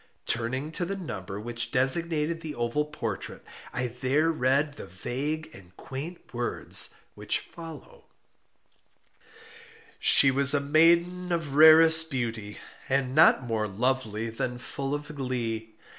Turning to the number which designated the oval portrait, I there read the vague and quaint words which follow: "She was a maiden of rarest beauty, and not more lovely than full of glee.